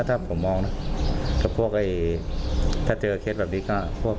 ถ้าผมมองนะกับพวกถ้าเจอเคสแบบนี้ก็พวก